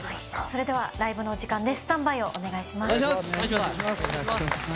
それではライブのお時間です。